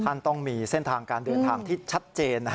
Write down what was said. ท่านต้องมีเส้นทางการเดินทางที่ชัดเจน